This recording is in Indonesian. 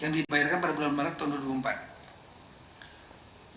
yang dibayarkan didasarkan komponen penghasilan yang dibayar pada bulan maret tahun dua ribu empat